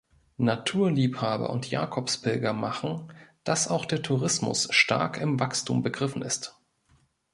Naturliebhaber und Jakobspilger machen, dass auch der Tourismus stark im Wachstum begriffen ist.